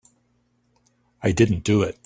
I didn't do it.